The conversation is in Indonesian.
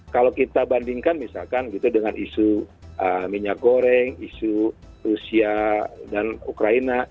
kalau kita bandingkan misalkan gitu dengan isu minyak goreng isu rusia dan ukraina